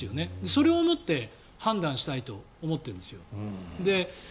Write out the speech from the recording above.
それをもって判断したいと思っているんです。